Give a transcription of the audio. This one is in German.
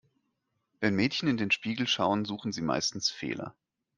Wenn Mädchen in den Spiegel schauen, suchen sie meistens Fehler.